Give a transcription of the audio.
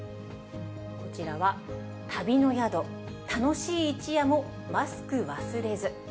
こちらは、旅の宿、楽しい一夜も、マスク忘れず。